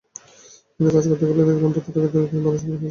কিন্তু কাজ করতে গিয়ে দেখলেন প্রতিটি ক্ষেত্রে তিনি বাধার সম্মুখীন হচ্ছেন।